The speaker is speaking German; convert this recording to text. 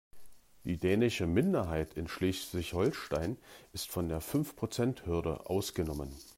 Die dänische Minderheit in Schleswig-Holstein ist von der Fünfprozenthürde ausgenommen.